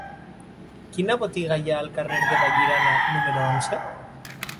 Quina botiga hi ha al carrer de Vallirana número onze?